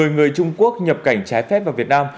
một mươi người trung quốc nhập cảnh trái phép vào việt nam